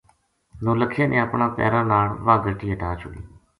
نو لکھیا نے اپنا پیراں ناڑ واہ گٹی ہٹا چھوڈی